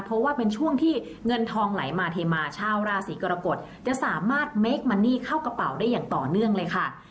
เพราะว่าเป็นช่วงที่เงินทองไหลมาเทมาชาวราศีกรกฎจะสามารถเมคมันนี่เข้ากระเป๋าได้อย่างต่อเนื่องเลยค่ะ